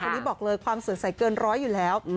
นี้บอกเลยความสวยใสเกินร้อยอยู่แล้ว